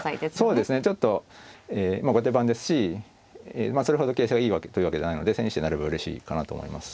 そうですねちょっとえ後手番ですしそれほど形勢がいいというわけではないので千日手になればうれしいかなと思います。